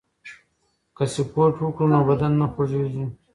که سپورت وکړو نو بدن نه خوږیږي.